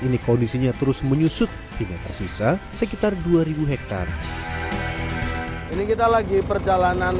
ini kondisinya terus menyusut hingga tersisa sekitar dua ribu hektare ini kita lagi perjalanan